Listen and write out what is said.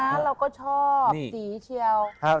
เราก็ชอบสีเชียว